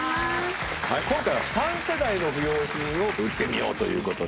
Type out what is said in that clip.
２鵑３世代の不用品を売ってみようということで。